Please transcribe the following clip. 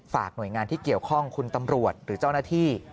หน่วยงานที่เกี่ยวข้องคุณตำรวจหรือเจ้าหน้าที่